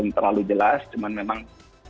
terlalu jelas cuman memang